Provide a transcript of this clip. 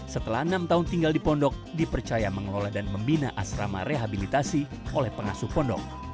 setelah enam tahun tinggal di pondok dipercaya mengelola dan membina asrama rehabilitasi oleh pengasuh pondok